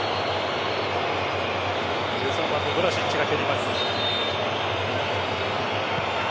１３番のヴラシッチが蹴ります。